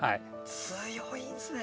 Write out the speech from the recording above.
強いんですね。